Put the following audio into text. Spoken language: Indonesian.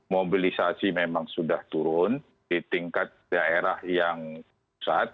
mobilisasi memang sudah turun di tingkat daerah yang pusat